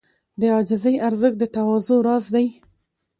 د عاجزۍ ارزښت د تواضع راز دی.